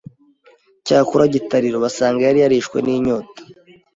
cyakora Gitariro basanga yari yarishwe n'inyota.